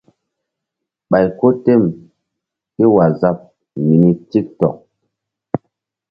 Ɓay ko tem ké waazap mini tik tok.